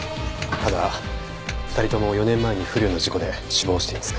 ただ２人とも４年前に不慮の事故で死亡しています。